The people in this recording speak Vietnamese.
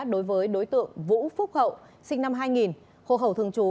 đối với đối tượng vũ phúc hậu sinh năm hai nghìn hộ khẩu thường trú